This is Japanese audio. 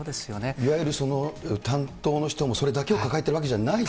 いわゆる担当の人もそれだけを抱えているわけではないと。